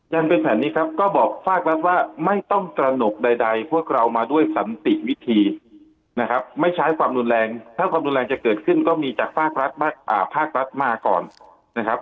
เป็นแผนนี้ครับก็บอกฝากรัฐว่าไม่ต้องตระหนกใดพวกเรามาด้วยสันติวิธีนะครับไม่ใช้ความรุนแรงถ้าความรุนแรงจะเกิดขึ้นก็มีจากภาครัฐมาก่อนนะครับ